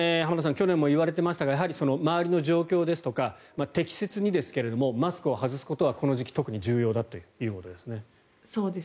去年も言われていましたが周りの状況とか適切にマスクを外すことはこの時期は特に重要だということです。